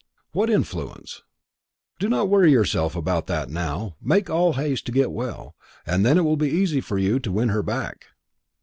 "What influence?" "Do not worry yourself about that now; make all haste to get well, and then it will be easy for you to win her back."